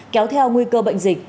kéo theo nguy cơ bệnh dịch